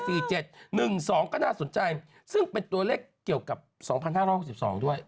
หนึ่งสองก็น่าสนใจซึ่งเป็นตัวเลขเกี่ยวกับสองพันห้าร้อยหกสิบสองด้วย